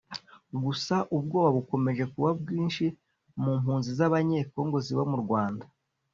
Gusa ubwoba bukomeje kuba bwinshi mu mpunzi z’abanyekongo ziba mu Rwanda